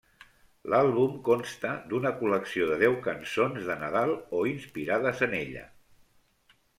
L'àlbum consta d'una col·lecció de deu cançons de Nadal o inspirades en ella.